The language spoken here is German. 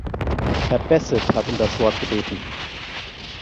Herr Besset hat um das Wort gebeten.